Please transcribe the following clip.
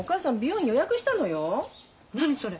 何それ？